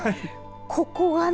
ここがね